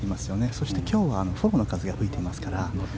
そして今日はフォローの風が吹いていますから。